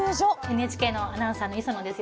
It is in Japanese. ＮＨＫのアナウンサーの礒野です。